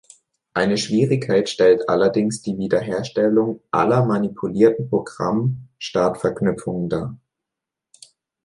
Eine Schwierigkeit stellt allerdings die Wiederherstellung aller manipulierter Programm-Startverknüpfungen dar.